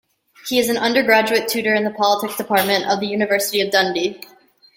He is an undergraduate tutor in the Politics Department of the University of Dundee.